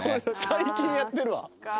最近やってるわ。